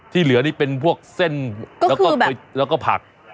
เหลือนี่เป็นพวกเส้นแล้วก็ผัก